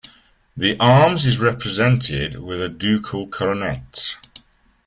The arms is represented with a dukal coronet.